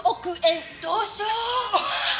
どうしよう。